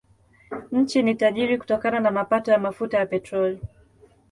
Nchi ni tajiri kutokana na mapato ya mafuta ya petroli.